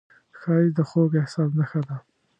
ښایست د خوږ احساس نښه ده